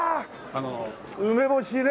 梅干しね！